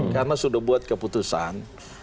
karena sudah buat keputusan